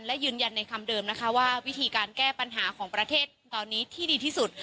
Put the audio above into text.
และยืนยันในคำเดิมนะคะว่าวิธีการแก้ปัญหาของประเทศตอนนี้ที่ดีที่สุด